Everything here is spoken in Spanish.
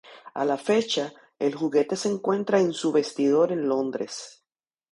A la fecha, el juguete se encuentra en su vestidor en Londres.